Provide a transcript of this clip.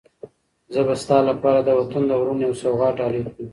زه به ستا لپاره د وطن د غرونو یو سوغات ډالۍ کړم.